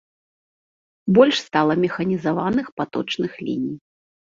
Больш стала механізаваных паточных ліній.